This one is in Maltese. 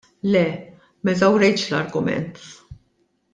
Le m'eżawrejtx l-argument.